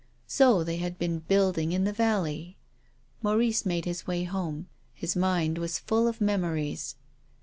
So they had been building in the valley. Maurice made his way home. His mind was full of memories.